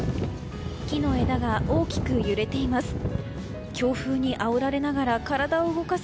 木の枝が大きく揺れています。